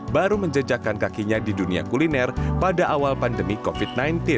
baru menjejakkan kakinya di dunia kuliner pada awal pandemi covid sembilan belas